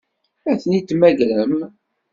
Ad ten-id-temmagrem?